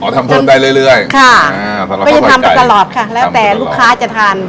อ๋อทำเพิ่มไปเรื่อยค่ะค่าไปถ้าจำตลอดค่ะแล้วแต่ลูกค้าจะทาน